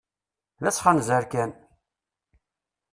D asxenzer kan!